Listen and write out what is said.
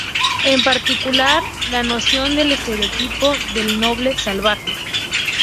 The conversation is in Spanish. En particular, la noción del estereotipo del “noble salvaje".